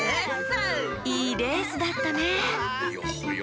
いいレースだったねいやはや。